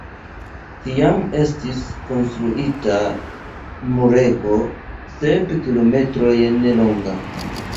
Tiam estis konstruita murego sep kilometrojn longa.